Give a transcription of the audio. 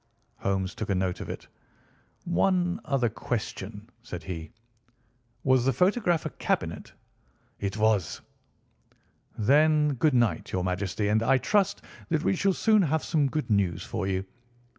Holmes took a note of it. "One other question," said he. "Was the photograph a cabinet?" "It was." "Then, good night, your Majesty, and I trust that we shall soon have some good news for you.